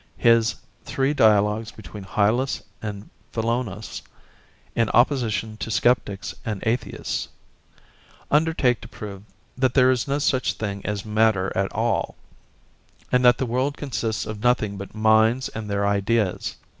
His Three Dialogues between Hylas and Philonous, in Opposition to Sceptics and Atheists, undertake to prove that there is no such thing as matter at all, and that the world consists of nothing but minds and their ideas.